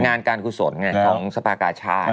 งานการกุศลของสภากาชาติ